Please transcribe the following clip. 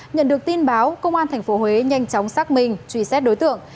nhận được tin báo công an tp huế nhanh chóng xác minh truy xét đối tượng